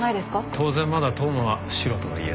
当然まだ当麻はシロとは言えない。